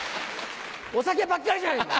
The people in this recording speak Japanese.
お酒ばっかりじゃないの！